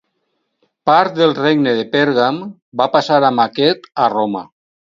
Part del regne de Pèrgam, va passar amb aquest a Roma.